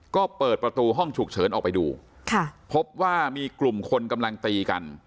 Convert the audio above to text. ก็เปิดประตูห้องฉุกเฉินออกไปดูค่ะพบว่ามีกลุ่มคนกำลังตีกัน